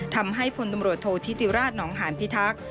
ทำให้พลตำรวจโทษธิติราชหนองหานพิทักษ์